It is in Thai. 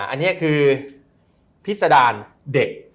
อันนี้คือพิษดารเด็ก